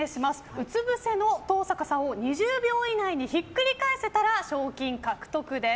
うつぶせの登坂さんを２０秒以内にひっくり返せたら賞金獲得です。